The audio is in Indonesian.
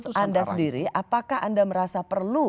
menurut anda sendiri apakah anda merasa perlu